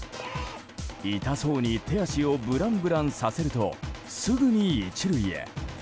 痛そうに手足をぶらんぶらんさせるとすぐに１塁へ。